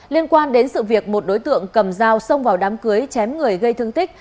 liên quan đến sự việc một đối tượng cầm dao xông vào đám cưới chém người gây thương tích